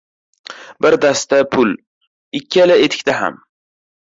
Bir dasta pul! Ikkala etikda ham!